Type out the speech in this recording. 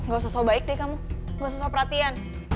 gak usah sabar lagi deh kamu gak usah soal perhatian